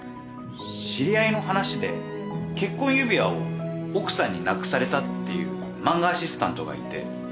知り合いの話で結婚指輪を奥さんになくされたっていう漫画アシスタントがいて。